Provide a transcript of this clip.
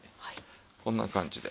こんな感じで。